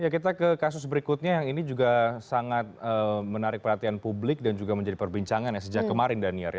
kita ke kasus berikutnya yang ini juga sangat menarik perhatian publik dan juga menjadi perbincangan ya sejak kemarin daniar ya